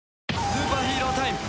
スーパーヒーロータイム。